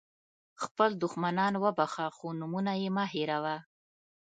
خپل دښمنان وبخښه خو نومونه یې مه هېروه.